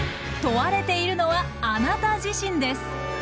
問われているのはあなた自身です。